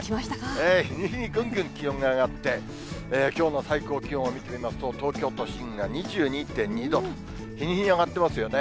日に日にぐんぐん気温が上がって、きょうの最高気温を見てみますと、東京都心が２２．２度と、日に日に上がってますよね。